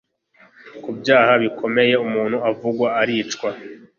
ku byaha bikomeye umuntu uvugwa aricwa